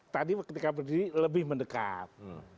tadi ketika berdiri lebih mendekat